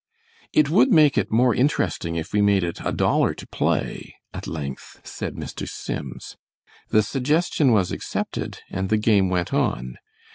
"It would make it more interesting if we made it a dollar to play," at length said Mr. Sims. The suggestion was accepted, and the game went on.